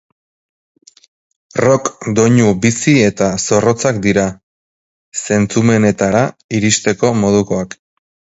Rock doinu bizi eta zorrotzak dira, zentzumenetara iristeko modukoak.